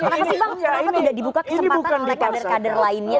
kenapa tidak dibuka kesempatan oleh kader kader lainnya